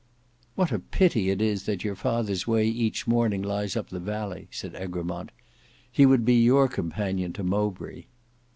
"What a pity it is that your father's way each morning lies up the valley," said Egremont; "he would be your companion to Mowbray."